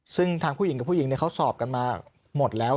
ซึ่งทางผู้หญิงกับผู้หญิงเขาสอบกันมาหมดแล้ว